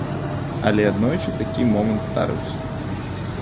Але аднойчы такі момант здарыўся.